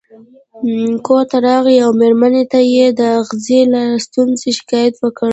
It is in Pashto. کور ته راغی او مېرمنې ته یې د اغزي له ستونزې شکایت وکړ.